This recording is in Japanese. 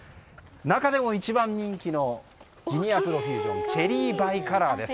中でも一番人気のジニアプロフュージョンチェリーバイカラーです。